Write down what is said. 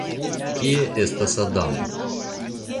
Kie estas Adamo?